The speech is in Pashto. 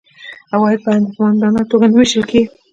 عواید په هدفمندانه توګه نه وېشل کیږي.